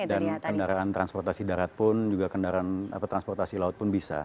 dan kendaraan transportasi darat pun juga kendaraan transportasi laut pun bisa